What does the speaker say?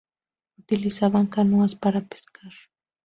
Utilizaban canoas para pescar.